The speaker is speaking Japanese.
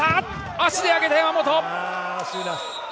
足で上げて山本。